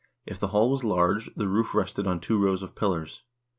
If the hall was large, the roof rested on two rows of pillars.